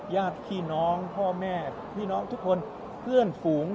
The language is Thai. ญาติพี่น้องพ่อแม่พี่น้องทุกคนเพื่อนฝูง